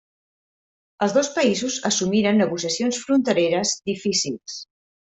Els dos països assumiren negociacions frontereres difícils.